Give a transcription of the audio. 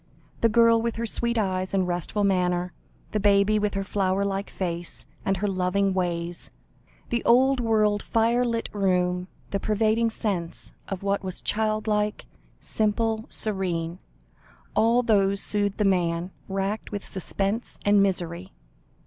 The girl, with her sweet eyes and restful manner, the baby with her flower like face, and her loving ways; the old world firelit room, the pervading sense of what was child like, simple, serene all these soothed the man, racked with suspense and misery.